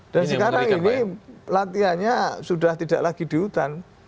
dan sekarang ini latihannya sudah tidak lagi di hutan